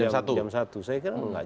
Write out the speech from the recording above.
saya kira enggak